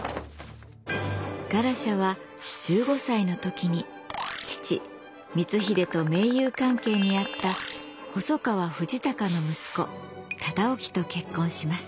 ガラシャは１５歳の時に父光秀と盟友関係にあった細川藤孝の息子忠興と結婚します。